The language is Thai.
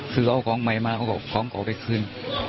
คือเอาของใหม่มาเอาของเกาไปคืน